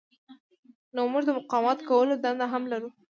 نو موږ د مقاومت کولو دنده هم لرو.